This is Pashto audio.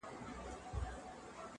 بيا خپه يم مرور دي اموخته کړم.